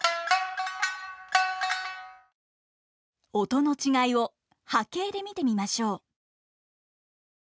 音の違いを波形で見てみましょう。